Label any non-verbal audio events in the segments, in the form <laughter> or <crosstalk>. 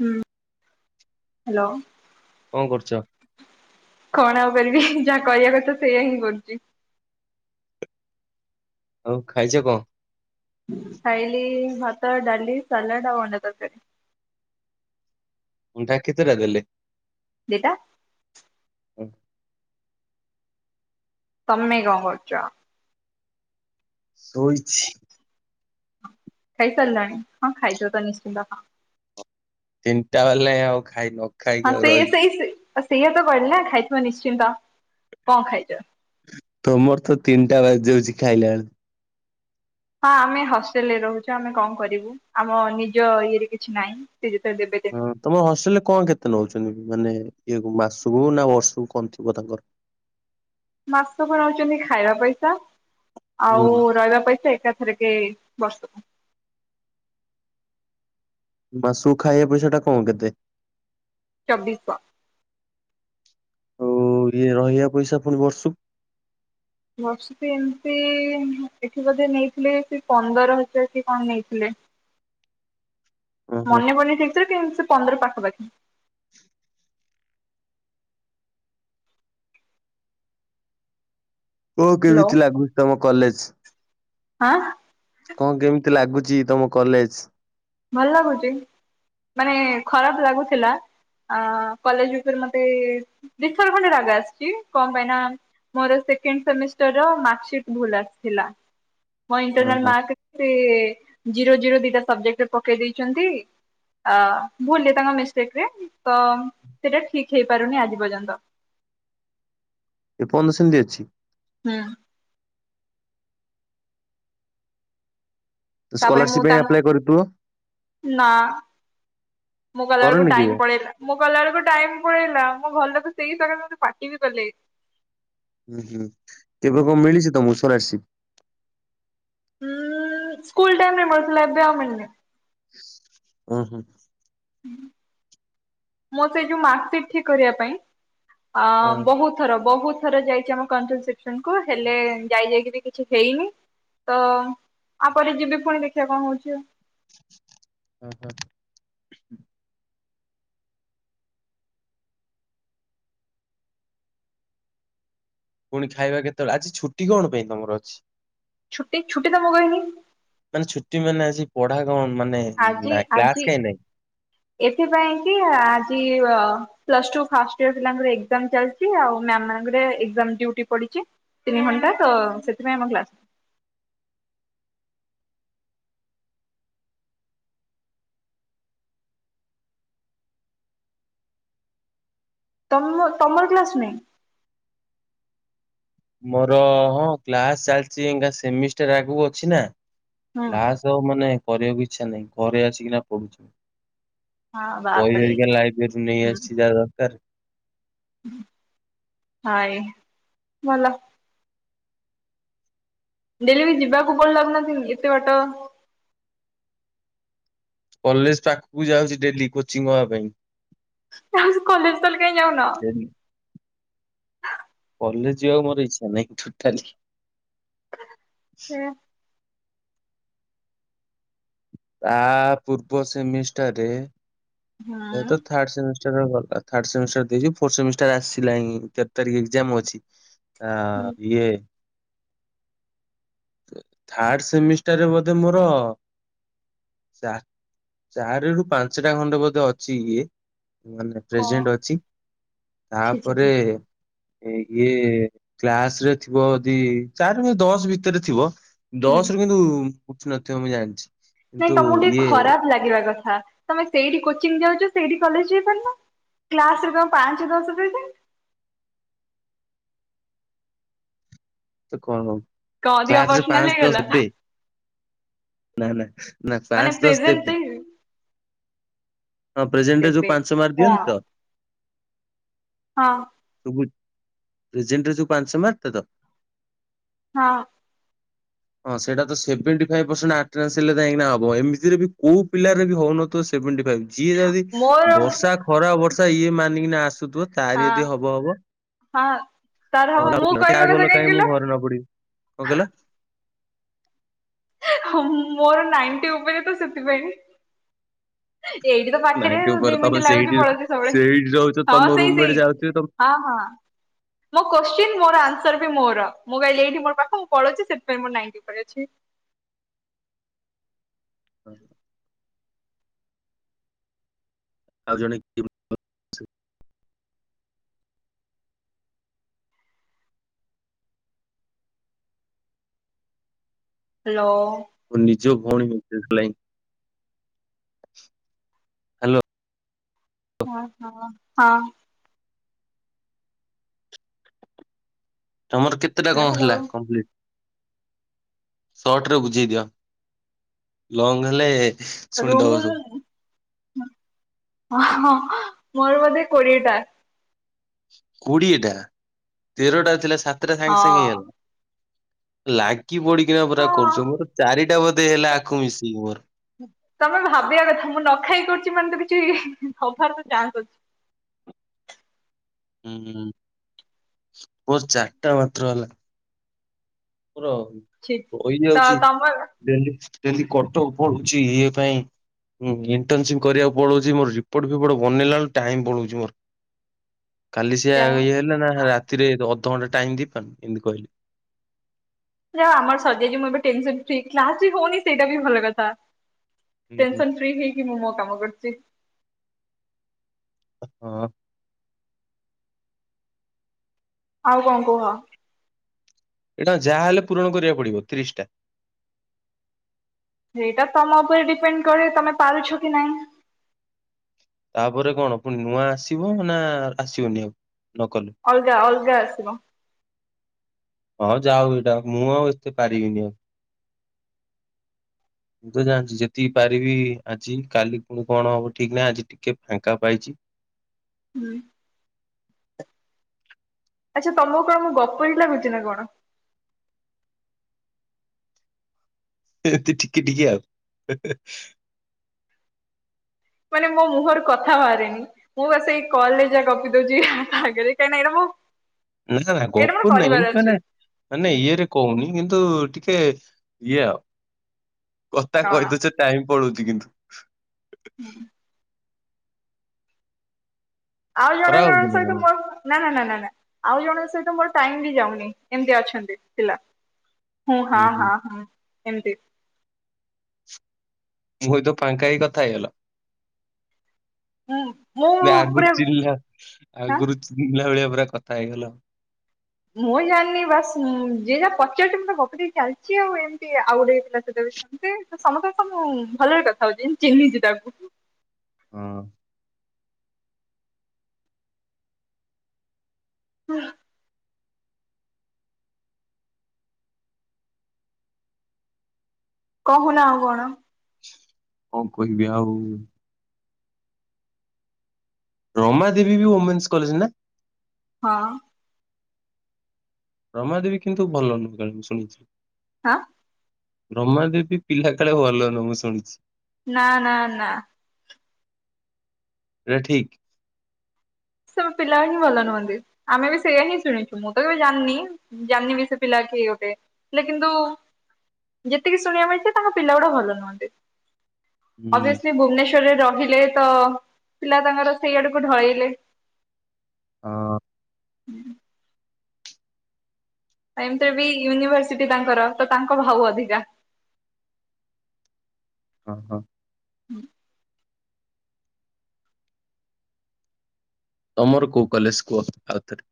ହୁଁ ହାଲୋ। କଣ କରୁଛ? କଣ ଆଉ କରିବି ଯାହା କରିବା କଥା ସେୟଆ ହିଁ କରୁଚି। ଆଉ ଖାଇଚ କଣ? ଖାଇଲି ଭାତ, ଡାଲି, ସଲାଟ ଆଉ ଅଣ୍ଡା ତରକାରୀ। ଅଣ୍ଡା କେତେଟା ଦେଲେ? ଦିଇଟା। ତମେ କଣ କରୁଚ? ଶୋଇଛି। ଖାଇ ସାରିଲଣି। ହଁ ଖାଇ ଥିବ ତ ନିଶ୍ଚତ ହଁ। ତିନ୍ଟା ବେଲେ ଆଉ ଖାଇନ ହଁ ସେଇ ସେଇ ସେ ସେଇଆ ତ କହିଲି ନା ଖାଇଥିବା ନିଶ୍ଚିନ୍ତ। କଣ ଖାଇଚ? ତମର ତ ତିନିଟା ବା ଯାଉଛି ଖାଇଲା <unintelligible> ହଁ ଆମେ ହଷ୍ଟେଲରେ ରହୁଚୁ ଆମେ କଣ କରିବୁ ଆମ ନିଜ ଇଏରେ କିଛି ନାହିଁ। ସେ ଯେତେ <unintelligible> ତମର ହଷ୍ଟେଲରେ କଣ କେତେ ନଉଚନ୍ତି ମାନେ ଇଏ ମାସକୁ ନା ବର୍ଷକୁ କଣ ଥିବ ତାଙ୍କର। ମାସକୁ ନଉଚନ୍ତି ଖାଇବା ପଇସା ଆଉ ହୁଁ ରହିବା ପଇସା ଏକା ଏଥରେ କେ ବର୍ଷକୁ। ମାସୁକୁ ଖାଇବା ପଇସା ଟା କଁ କେତେ? ଚବିଶ। ଆଉ ଇଏ ରହିବା ପଇସା ପୁଣି ବର୍ଷକୁ? ବର୍ଷକୁ ଏମ୍ତି ଏଠି ବୋଧେ ନେଇଥିଲେ ସେ ପନ୍ଦର ହଜାର କି କଣ ନେଇଥିଲେ। ଓହୋ। ମନେ ପଡୁନି ଠିକସେ କିନ୍ ସେ ପନ୍ଦର ପାଖାପାଖି। ଓ ହ୍ୟାଲୋ କେମିତି ଲାଗୁ ତମ କଲେଜ୍? ଆଁ? କଁ କେମିତି ଲାଗୁଚି ତମ କଲେଜ୍? ଭଲ ଲାଗୁଚି ମାନେ ଖରାପ ଲାଗୁଥିଲା। ଆ କଲେଜ୍ ଭିତରେ ମତେ ଦିଇ ଥର ଖଣ୍ଡେ ରାଗ ଆସିଚି କଁ ପାଇଁ ନା ମୋର ସେକେଣ୍ଡ ସେମିଷ୍ଟାରର ମାକସିଟ୍ ଭୁଲ୍ ଆସିଥିଲା। ମୋ ହଁ ଇଣ୍ଟନାଲ୍‌ ହଁ ମାର୍କସିଟ୍ରେ ଜିରୋ ଜିରୋ ଦିଟା ସବଜେଟ୍ ପକେଇ ଦେଇଚନ୍ତି। ଅ ଭୁଲରେ ତାଙ୍କ ମିଷ୍ଟେକରେ ତ ସେଇଟା ଠିକ୍ ହେଇପାରୁନି ଆଜି ପର୍ଯ୍ୟନ୍ତ। ଏପନ୍ଦ ସେମିତି ଅଛି? ହୁଁ। ତାପରେ ମୁଁ ସ୍କଲାରସିପ ପାଇଁ ଆପ୍ଲାଏ କରିଥିବ? ତାଙ୍କ୍ ନା ମୁଁ ଗଲା ବେଳକୁ କରନି କେବେ? ଟାଇମ୍ ପଳେଇଲା। ମୁଁ ଗଲା ବେଳକୁ ଟାଇମ୍ ପଳେଇଲା ମୋ ଘର ଲୋକ ସେଇତେରେ ମତେ ପାଟିବି କଲେ। ହୁଁ ହୁଁ କେବେ <unintelligible> ମିଳିଚି ତମକୁ ସ୍କଲାରସିପ୍? ଉଁ ସ୍କୁଲ୍ ଟାଇମରେ ମିଳୁଥିଲା ଏବେ ଆଉ ମିଳିନି। ଓହୋ। <inaudible> ମୁଁ ସେଇ ଯୋଉ ମାର୍କସିଟ୍ ଠିକ୍ କରିବା ପାଇଁ ଆ ହଁ ବହୁତ୍ ଥର ବହୁତ୍ ଥର ଯାଇଚି ଆମ <unintelligible> କୁ ହେଲେ ଯାଇ ଯାଇକି ବି କିଛି ହେଇନି। ତ ଆପରେ ଯିବି ଫୁଣି ଦେଖିବା କଣ ହଉଚି ଆଉ। <inaudible> ପୁଣି ଖାଇବା କେତେବେଳେ ଆଜି ଛୁଟି କଣ ପାଇଁ ତମର ଅଛି? ଛୁଟି ଛୁଟି ତ ମୁଗ। <unintelligible> ମାନେ ଛୁଟି ମାନେ ଆଜି ପଢା କଣ ମାନେ ଆଜି ଉଁ ଆଜି କ୍ଲାସ୍ କାହିଁ ନାଇଁ? ଏଥିପାଇଁ କି ଆଜି ଅ ପ୍ଲସଟୁ ଫାଷ୍ଟ ଇୟର ପିଲାଙ୍କର ଏଜାମ୍ ଚାଲ୍ ଚି ଆଉ ମ୍ୟାମମାନଙ୍କର ଏକ୍ସାମ୍ ଡିଉଟି ପଡିଚି ତିନି ଘଣ୍ଟା ତ ସେଥିପାଇଁ ଆମ କ୍ଲାସ ତମ ତମର କ୍ଲାସ୍ <unintelligible> ମୋର ହଁ କ୍ଲାସ୍ ଚାଲିଚି ଏଙ୍ଗା ସେମିଷ୍ଟାର ଆଗକୁ ଅଛି ନା। ହୁଁ କ୍ଲାସ ତ ମାନେ କରିବାକୁ ଇଚ୍ଛା ନାହିଁ ଘରେ ଆସିକିନା ପଢୁଛି। ହଁ ବହି ବାପରେ ହରିକା ଲାଇବ୍ରେରୀରୁ ନେଇ ହୁଁ ଆସିଛି ଯାହା ଦରକାର। ହାଏ ଭଲ। ଡେଲି ଯିବାକୁ <unintelligible> ଲାଗୁ <unintelligible> ଏତେ ବାଟ। କଲେଜ ପାଖକୁ ଯାଉଛି ଡେଲି କୋଚିଂ ହବା ପାଇଁ। <inaudible> କଲେଜହେଲେ କାଇଁ ଯାଉନ? କଲେଜ ଯିବାକୁ ମୋର ଇଚ୍ଛା ନାହିଁ ଟୋଟାଲି। <unintelligible> ତା ପୂର୍ବ ସେମିଷ୍ଟାରରେ ସେ ତ ଥର୍ଡସେମି <unintelligible> ଥାର୍ଡ ସେମିଷ୍ଟର ଦେଇଚି ଫୋର୍ ସେମିଷ୍ଟର ଆସିଲାଣି ତେର ତାରିଖ ଏଜ୍ଜ୍ଜମ୍ ଅଛି। ହୁଁ ଆ ଇଏ ଥାର୍ଡ ସେମିଷ୍ଟରରେ ବୋଧେ ମୋର ଚା ଚାରି ରୁ ପାଞ୍ଚଟା ଖଣ୍ଡେ ବୋଧେ ଅଛି ଇଏ ମାନେ କଣ ପ୍ରେସିଡେଣ୍ଟ ଅଛି। ଛି ଛି ଛି ତାପରେ ଇଏ କିଏ କ୍ଲାସ ରେ ଥିବ ଯଦି ଚାରି ଦଶ ଭିତରେ ଥିବ। ହୁଁ ଦଶରୁୁ କିନ୍ତୁ ଉଠୁ ନଥିବ ମୁଁ ଜାଣିଛି। ନାଇଁ କିନ୍ତୁ ତମକୁ ଟିକେ ଇଏ ଖରାପ ଲାଗିବା କଥା ତମେ ସେଇଠି କୋଚିଂ ଯାଉଛ ସେଇଠି କଲେଜ ଯାଇପାରୁନ। କ୍ଲାସ ରେ କଣ ପାଞ୍ଚ ଦଶ ଦେଇଛନ୍ତି? ତ କଣ ହବ କଣ ଅଧିକ କ୍ଲାସରେ ପର୍ସନାଲ ପାଞ୍ଚ ହେଇଗଲା। ଦଶବେ ନା ନା। ନା ମାନେ ପାଞ୍ଚ ଦଶ ପ୍ରେଜେଣ୍ଟ ଦେବି। ହଁ ପ୍ରେଜେଣ୍ଟ ରେ ଯୋଉ ଦେବେ ପାଞ୍ଚ ମାର୍କ କଣ? ଦିଅନ୍ତି ତ? ହଁ। ସବୁ ପ୍ରେଜେଣ୍ଟରେ ଯୋଉ ପାଞ୍ଚ ମାର୍କ ଟା ତ? ହଁ। ହଁ ସେଇଟା ତ ସେଭେଣ୍ଟି ଫାଇବ ପସେଣ୍ଟ ଆଟନାସ ହେଲେ ଯାଇକିନା ହବ ଏମିତିରେ କୋଉ ପିଲର ବି ହଉନ ତ ଶେଭେଣ୍ଟି ଫାଇବ ଯିଏ ଯଦି ମୋର ବର୍ଷା ଖରା ବର୍ଷା ଇଏ ମାନିକିନା ଆସୁଥିବ ହଁ ତାରି ଯଦି ହବ ହବ, ହଁ ତାର ହବ ମୁଁ <unintelligible> କହିବା କଥା କାହିଁ କାହିଁକି କହିଲ? ମୁଁ ଘରେ ନ ପଡିବି? କଣ କହିଲ? ହଁ ମୋର ନାଇନଟି ଉପରେ ତ ସେଥିପାଇଁ। ଏଇଠି ତ ପାଖରେ ନାଇଣ୍ଟି ଦି ଉପରେ ତମେ ମିନିଟ ଲାଗୁଛି ସେଇଠି ପଳଉଛି ସବୁବେଳେ ସେଇଠି ରହୁଛ ତମ ହଁ ସେଇ ରୁମମେଟ୍ ସେଇ। ଯାଉଥିବେ ତମ ହଁ ହଁ। ମୋ କୋଶ୍ଚିନ୍ ମୋର ଆନ୍ସର ବି ମୋର ମୁଁ ବା ଏଇଠି ମୋର ପାଖ ମୁଁ ପଳଉଛି ସେଥିପାଇଁ ମୁଁ ନାଇଟି ପରେ ଅଛି। ହୁଁ। ଆଉ ଜଣେ କିଏ ହ୍ୟାଲୋ। ମୋ ନିଜ ଭଉଣୀ। <unintelligible> ହ୍ୟାଲୋ ହ ହ ହଁ। ତମର କେତେଟା କଣ ହାଲୋ ହେଲା କଂପ୍ଲିଟ୍? ସର୍ଟ ରେ ବୁଝେଇ ଦିଅ, ଲଙ୍ଗ ହେଲେ ରୁ ଶୁଣିଦବ ମୋର ସବୁ ହଁ ମୋର ବୋଧେ କୋଡ଼ିଏ ଟା। କୋଡିଏଟା ତେରଟା ଥିଲା ସାତଟା ହଁ ସାଙ୍ଗେ ସାଙ୍ଗେ ହେଇଗଲା। ଲାଗି ପଡିକିନା ପୁରା ହଁ। କରୁଛ ମୋର ଚାରିଟା ବୋଧେ ହେଲା ଆଖକୁ ମିଶିକି ମୋର। ତମେ ଭାବିବା କଥା ମୁଁ ନ ଖାଇ କରୁଛି ମାନେ ତ କିଛି ହବାର ତ ଚାନ୍ସ ଅଛି। ହୁଁ ମୋର ଚାରିଟା ମାତ୍ର ହେଲା। ମୋର ଅଛି। ରହି ତ ଯାଉଛି। ତମର ଡେଲି ଡେଲି କଟକ ପଡୁଛି ଇଏ ପାଇଁ। ହୁଁଇଣ୍ଟର୍ନସିପ କରିବାକୁ ପଳଉଛି ମୋର ରିପୋର୍ଟ ଫିପୋଟ ବନେଇଲା ବେଳକୁ ଟାଇମ ପଳଉଛି ମୋର। କାଲି ସେ ଯାହା ହଉ ଇଏ ହେଲା ନା ରାତିରେ ଅଧଘଣ୍ଟା ଟାଇମ ଦେଇପାରୁନି ଏମିତି କହିଲି। ଯ ଆମର ସଜା ମୁଁ ଏବେ ଟେନସ ଫି କ୍ଲାସ ବି ହଉନି ସେଇଟା ବି ଭଲ କଥା। ହୁଁ ଟେନସନ ଫ୍ରି ହେଇକି ମୁଁ ମୋ କାମ କରୁଚି। ହଁ। ଆଉ କଁ କୁହ? ଏଇଟା କଁ ଯାହାହେଲେ ପୂରଣ କରିବାକୁ ପଡିବ ତିରିଶିଟା? ସେଇଟା ତମ ଉପରେ ଡିପେଣ୍ଡ କରେ ତମେ ପାରୁଛ କି ନାଇଁ। ତାପରେ କଣ ପୁଣି ନୂଆ ଆସିବ ନା ଆସିବନି ଆଉ ନକଲେ? ଅଲ୍ଗା ଅଲ୍ଗା ଆସିବ। ହଁ ଯାଉ ଏଇଟା ମୁଁ ଆଉ ଏତେ ପାରିବିନି। ମୁଁ ତ ଜାଣିଛି ଯେତିକି ପାରିବି ଆଜି କାଲି ପୁଣି କଣ ହବ ଠିକ ନାହିଁ ଆଜି ଟିକେ ଫାଙ୍କା ପାଇଛି। ହୁଁ। ଆଚ୍ଛା ତମକୁ କଣ ମୁଁ ଗପୁରି ଲାଗୁଛି ନା କଣ? ହେନ୍ତି ଟିକି ଟିକି ଆଉ ହେ ହେ। ମାନେ ମୋ ମୁହଁରୁ କଥା ଭାରେନି। ମୁଁ ବାସ ଏଇ କଲେ ଜା ଗପି ଦୋଉଚି ହା ଆଗରେ କାଇଁ ନା ଏଇନା ମୁଁ ନା ନା ଏଇଟା ମୋର ଗୋପୁର ନାଇଁ କରିବାର ଏମ୍ତି ଅଛି। ମାନେ ମାନେ ଇଏରେ କୋହୁନି କିନ୍ତୁ ଟିକେ ଇଏ ଆଉ। କତା କଣ? କଇଦୋଉଛ ଟାଇମ ପଳୋଉଚି କିନ୍ତୁ। ହୁଁ। ଆଉ ଜଣେ ଖରାପ ଜଣଙ୍କ ଭାବୁଛ ନା ସହିତ କଣ? ମୋର ପା ନା ନା ନା ନା ନା ଆଉ ଜଣଙ୍କ ସହିତ ମୋର ଟାଇମ ବି ଯାଉନି ଏମିତି ଅଛନ୍ତି ପିଲା। ହଁ ହୁଁ ହାଁ ହୁଁ ହାଁ ହାଁ ଏମ୍ତି ମୁଁ ହଇତ ଫାଙ୍କାଇ କଥା ହେଇଗଲ। ହଁ ମୁଁ ଆଗୁରୁ ପୁରା ଚିିଲା ହଁ ଆଗୁରୁ ଚିଲା ଭଳିଆ ପୁରା କଥା ହେଇଗଲ। ମୁଁ ଜାଣିନି ବାସ୍ ମ୍ ଯିଏ ଯା ପଚାରୁଚି ମୁଁ ତ ଗପି ଦେଇ ଚାଲିଚି ଆଉ ଏମ୍ତି ଆଉ ଗୋଟେ ହେଇଥିଲା ସେଟା ବି ସେ ସମତଙ୍କ ସେ ମୁଁ ଭଲରେ କଥା ହୋଉଚି, ଯେମ୍ ଚିହ୍ନିଚି ତାକୁ। ହଁ। ଓ। କହୁନା ଆଉ କଣ? ହଁ କହିବି ଆଉ। ରମା ଦେବୀ ବି ଓମେନ୍ସ କଲେଜ ନା? ହଁ। ରମାଦେବୀ କିନ୍ତୁ ଭଲ ନୁହେଁ କାଳେ ମୁଁ ଶୁଣିଛିି। ହାଁ। ରମା ଦେବୀ ପିଲା କାଳେ ଭଲନୁ ମୁଁ ଶୁଣିଛି। ନାଁ ନାଁ ନାଁ। ଏଟା ଠିକ। ସେ ପିଲା ହିଁ ଭଲ ନୁହନ୍ତି, ଆମେ ବି ସେଇଆ ହିଁ ଶୁଣିଛୁ, ମୁଁ ତ କେବେ ଜାଣିନି। ଜାଣ୍ନି ବି ସେ ପିଲା କିଏ ଗୋଟେ ହେଲେ କିନ୍ତୁ ଯେତିକି ଶୁଣିବା ମିଳିଛି ତାଙ୍କ ପିଲା ଗୁଡା ଭଲ ନୁହଁନ୍ତି। ହୁଁ ଅଭିଅସ୍ଲି ଭୁବନେଶ୍ୱରରେ ରହିଲେ ତ ପିଲା ତାଙ୍କର ସେଇଆଡକୁ ଢଳେଇଲେ। ହଁ-ଅ। ହୁଁ। ଆ ଏମ୍ତିରେ ବି ୟୁନିଭରସିଟି ତାଙ୍କର ତ ତାଙ୍କ ଭାଉ ଅଧିକା। ଆ ହ। ହୁଁ। ତମର କୋଉ କଲେଜ କୁହ ଆଉଥରେ?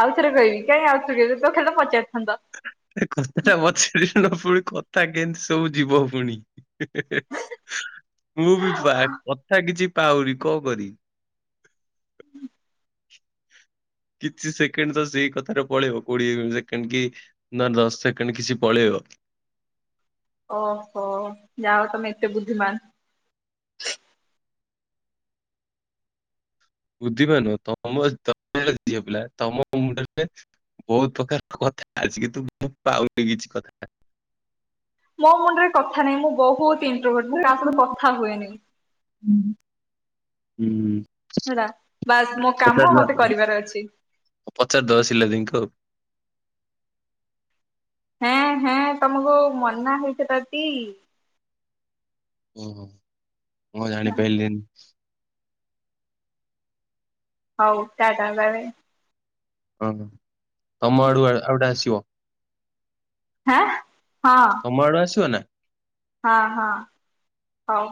ଆଉଥରେ କହିବି କାଇଁ ଆଉଥରେ କହିବି କଥା ଟା ପଚାରିଥାନ୍ତ ଏ କଥାଟା ପଚାରିବି ପୁଣି କଥା କେମିତି ସବୁ ଯିବ ପୁଣି। ମୁଁ ବି ପା କଥା କିଛି ପାଉନି କଣ କରିବି। କିଛି ସେକେଣ୍ଡ ତ ସେଇ କଥାରେ ପଳେଇିବ କୋଡିଏ ସେକେଣ୍ଡ କି ନା ଦଶ ସେକେଣ୍ଡ କିଛି ପଳେଇବ। ଓହୋ ଯାହାହୋଉ ତମେ ଏତେ ବୁଦ୍ଧିମାନ। ବୁଦ୍ଧିମାନ ନୁହଁ ତମ ତମେ ହେଲ ଝିଅ ପିଲା ତମ ମୁଣ୍ଡରେ ବହୁତ ପ୍ରକାର କଥା ଅଛି କିନ୍ତୁ ମୁଁ ପାଉନ କିଛି କଥା। ମୋ ମୁଣ୍ଡରେ କଥା ନାହିଁ ମୁଁ ବହୁତ ଇଣ୍ଟଭଟ୍ ମୁଁ କାହା ସହିତ କଥା ହୁଏନି। ହୁଁ ହୁଁ। ହେଲା ବାସ୍ ମୋ କାମ ମତେ କରିବାର ଅଛି। ଅ ପଚାରିଦବା ସିଲାଦେଇ ଙ୍କୁ ଆଉ। ହେଁଏ ହେଁଏ ତମକୁ ମନା ହେଇଥିଲା ଟି। ଉଁ ହୁଁ ମୁଁ ଜାଣି ପାଇଲିନି। ହଉ ଟା ଟା ବାଏ ବାଏ। ଓ ହୋ ତମ ଆଡୁ ଆ ଆଉଡେ ଆସିବ। ହେଁ ହଁ। ତମ ଆଡୁ ଆସିବ ନା? ହଁ ହଁ ହଉ।